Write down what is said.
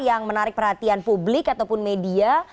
yang menarik perhatian publik ataupun media